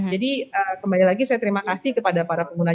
jadi kembali lagi saya terima kasih kepada para pengguna